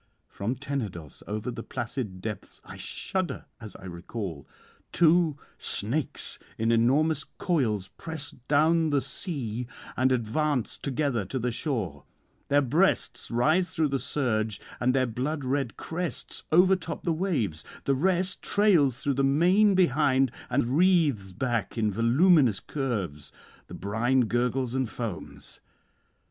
from Tenedos, over the placid depths (I shudder as I recall) two snakes in enormous coils press down the sea and advance together to the shore; their breasts rise through the surge, and their blood red crests overtop the waves; the rest trails through the main behind and wreathes back in voluminous curves; the brine gurgles and foams.